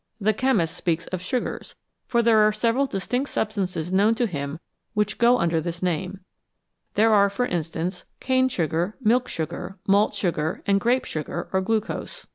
The chemist speaks of " sugars," for there are several distinct substances known to him which go under this name ; there are, for instance, cane sugar, milk sugar, malt sugar, and grape sugar or glucose.